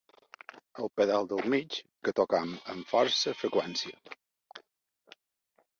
El pedal del mig, que toquem amb força freqüència.